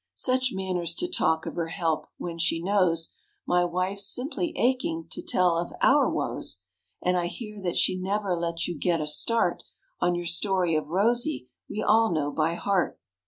Such manners to talk of her help when she knows My wife's simply aching to tell of our woes! And I hear that she never lets you get a start On your story of Rosy we all know by heart.